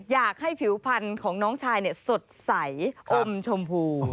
อยากให้ผิวพันธุ์ของน้องชายสดใสอมชมพู